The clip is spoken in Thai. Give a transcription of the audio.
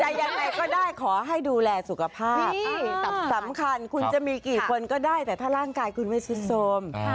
แต่ยังไงก็ได้ขอให้ดูแลสุขภาพสำคัญคุณจะมีกี่คนก็ได้แต่ถ้าร่างกายคุณไม่สุดโทรม